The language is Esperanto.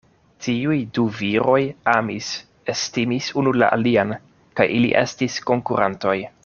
Tiuj du viroj amis, estimis unu la alian; kaj ili estis konkurantoj.